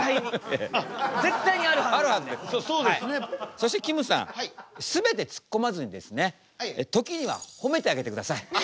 そしてきむさん全てツッコまずにですね時にはほめてあげてください。